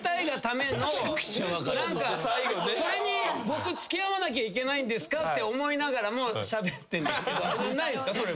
それに僕付き合わなきゃいけないんですかって思いながらもしゃべってないですか？